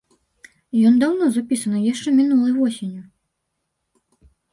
Ён даўно запісаны, яшчэ мінулай восенню.